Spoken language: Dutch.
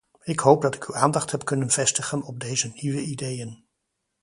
Ik hoop dat ik uw aandacht heb kunnen vestigen op deze nieuwe ideeën.